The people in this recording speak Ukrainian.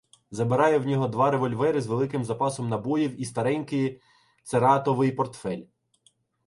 Забираю в нього два револьвери з великим запасом набоїв і старенький цератовий портфель.